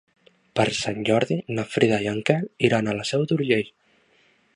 Per Sant Jordi na Frida i en Quel iran a la Seu d'Urgell.